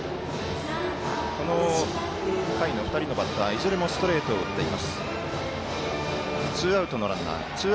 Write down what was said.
この回の２人のバッターいずれもストレートを打っています。